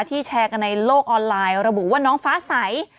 แชร์กันในโลกออนไลน์ระบุว่าน้องฟ้าใส